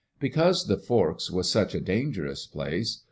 Because the Forks was such a dangerous place.